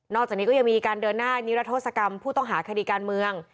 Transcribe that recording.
จากนี้ก็ยังมีการเดินหน้านิรัทธศกรรมผู้ต้องหาคดีการเมือง